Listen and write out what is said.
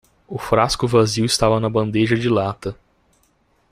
O frasco vazio estava na bandeja de lata.